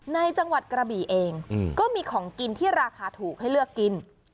ในจังหวัดกระบี่เองก็มีของกินที่ราคาถูกให้เลือกกิน